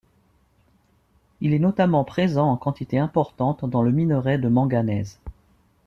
Il est notamment présent en quantité importante dans le minerai de manganèse.